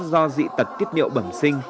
do dị tật tiết niệu bẩm sinh